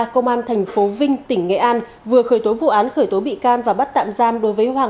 công an tp vinh tỉnh nghệ an vừa khởi tố vụ án khởi tố bị can và bắt tạm giam đối với hoàng